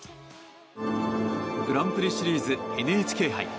グランプリシリーズＮＨＫ杯。